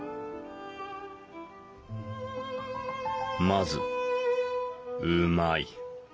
まずうまい。